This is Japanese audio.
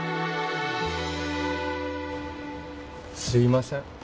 すいません。